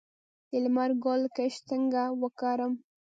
د لمر ګل کښت څنګه وکړم؟